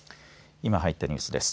今入ったニュースです。